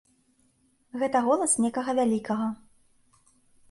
Гэта голас некага вялікага.